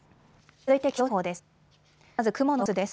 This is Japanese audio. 続いて気象情報です。